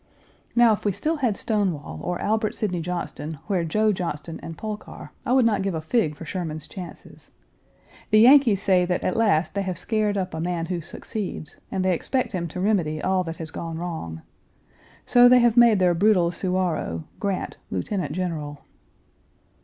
Now, if we still had Stonewall or Albert Sidney Johnston where Joe Johnston and Polk are, I would not give a fig for Sherman's chances. The Yankees say that at last they have scared up a man who succeeds, and they expect him to remedy all that has gone wrong. So they have made their brutal Suwarrow, Grant, lieutenant general.